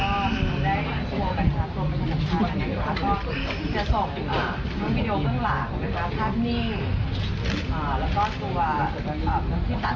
ก็แชร์มาแล้วก็เปิดมา